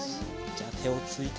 じゃあてをついて。